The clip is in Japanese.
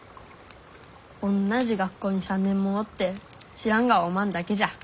おんなじ学校に３年もおって知らんがはおまんだけじゃ。